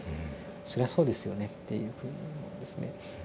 「そりゃそうですよね」っていうふうに思うんですね。